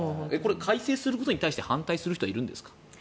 改正することに対して反対する人はいるんですか。